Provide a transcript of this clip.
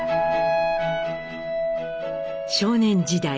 少年時代